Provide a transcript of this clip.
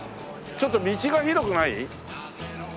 ちょっと道が広くない？